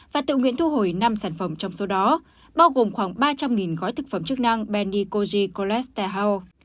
và tự nguyện thu hồi năm sản phẩm trong số đó bao gồm khoảng ba trăm linh gói thực phẩm chức năng benicoji cholesterol